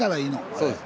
そうです。